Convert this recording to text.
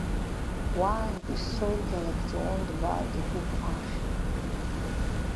Уаантәи сцоит Галактион Дбар игәыԥ ахь.